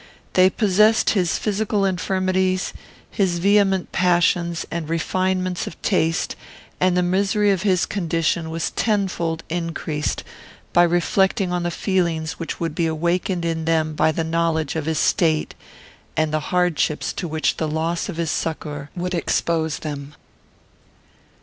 They possessed his physical infirmities, his vehement passions, and refinements of taste; and the misery of his condition was tenfold increased, by reflecting on the feelings which would be awakened in them by the knowledge of his state, and the hardships to which the loss of his succour would expose them.